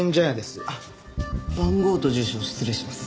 番号と住所失礼します。